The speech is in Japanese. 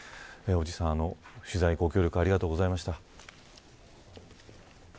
おじいさん、取材ご協力ありがとうございました。